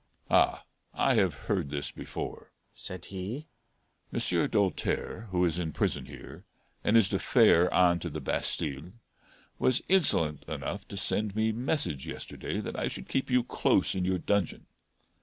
"Ah, I have heard this before," said he. "Monsieur Doltaire, who is in prison here, and is to fare on to the Bastile, was insolent enough to send me message yesterday that I should keep you close in your dungeon.